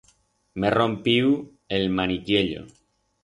M'he rompiu el maniquiello.